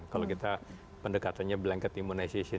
kalau kita pendekatannya blanket immunization